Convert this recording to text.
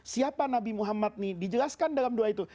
siapa nabi muhammad nih dijelaskan dalam doa itu